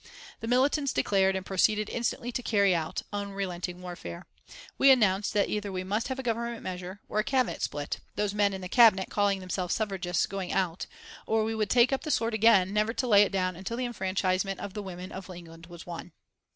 The militants declared, and proceeded instantly to carry out, unrelenting warfare. We announced that either we must have a Government measure, or a Cabinet split those men in the Cabinet calling themselves suffragists going out or we would take up the sword again, never to lay it down until the enfranchisement of the women of England was won.